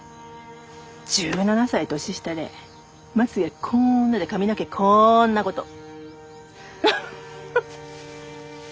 １７歳年下でまつげこんなで髪の毛こんな子と。